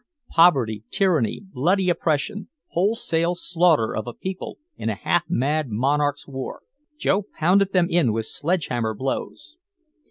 Poverty, tyranny, bloody oppression, wholesale slaughter of a people in a half mad monarch's war Joe pounded them in with sledgehammer blows.